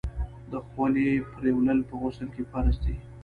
د خولې پریولل په غسل کي فرض دي.